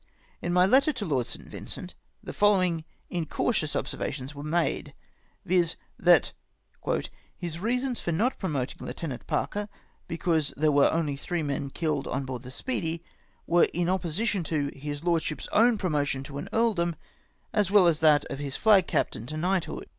Li my letter to Lord St. Vincent, the following in cautious observations were made, viz. that "his reasons for not promoting Lieutenant Parker, because there were only three men killed on board the Speedy, were in opposition to his lordship's own promotion to an earl dom, as well as that of liis flag captain to knighthood.